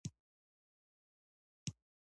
د دوو شیطانانو څخه زه تل هغه یو انتخاب کوم.